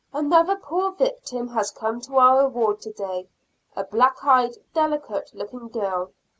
Another poor victim has come to our ward today a black eyed, delicate looking girl.